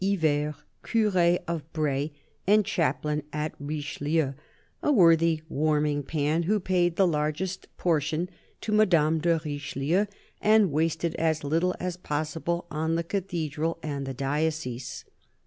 Yver, cur6 of Braye and chaplain at Richelieu — a worthy warming pan who paid the largest portion to Madame de Richelieu, and wasted as little as possible on the cathedral and the diocese.